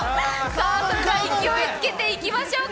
それでは勢いつけていきましょうか。